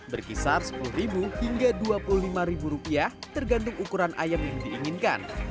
berkisar sepuluh hingga rp dua puluh lima tergantung ukuran ayam yang diinginkan